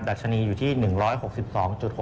ดัชนีอยู่ที่๑๖๒๖๓จุด